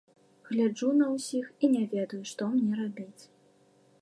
Гляджу на ўсіх, і не ведаю, што мне рабіць.